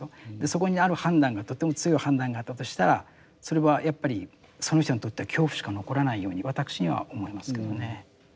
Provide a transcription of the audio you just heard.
そこにある判断がとても強い判断があったとしたらそれはやっぱりその人にとっては恐怖しか残らないように私には思えますけどね。